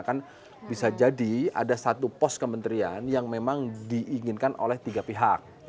kan bisa jadi ada satu pos kementerian yang memang diinginkan oleh tiga pihak